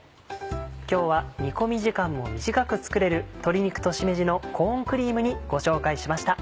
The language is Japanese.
今日は煮込み時間も短く作れる「鶏肉としめじのコーンクリーム煮」ご紹介しました。